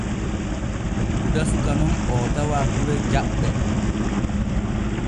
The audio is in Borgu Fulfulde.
Guda suka nun oo tawa gure Jaɓɓe.